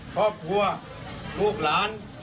ครอบครัวลูกหลาน